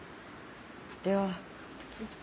では。